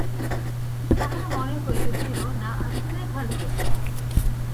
তাহার মনে হইতেছিল, না আসিলেই ভালো হইত।